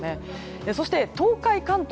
そして東海、関東